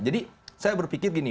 jadi saya berpikir begini